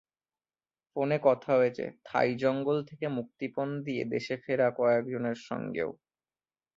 ফোনে কথা হয়েছে থাই জঙ্গল থেকে মুক্তিপণ দিয়ে দেশে ফেরা কয়েকজনের সঙ্গেও।